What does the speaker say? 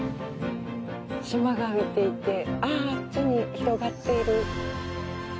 島が浮いていて、あっ、あっちに広がっている。